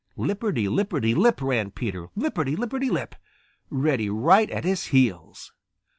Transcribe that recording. Lipperty lipperty lip ran Peter, lipperty lipperty lip, Reddy right at his heels!